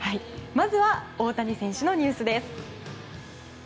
まずは大谷選手のニュースです。